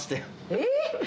えっ？